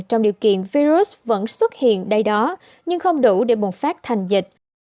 trong điều kiện virus vẫn xuất hiện đây đó nhưng không đủ để bùng phát thành dịch